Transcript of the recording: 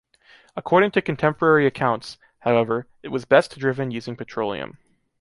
According to contemporary accounts, however, it was best driven using petroleum.